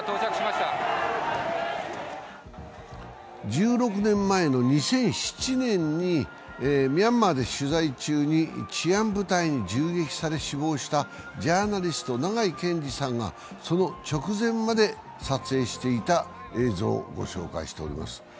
１６年前の２００７年にミャンマーで取材中に治安部隊に銃撃され死亡したジャーナリスト・長井健司さんがその直前まで撮影していた映像をご紹介しております。